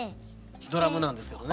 ドラムなんですけどね。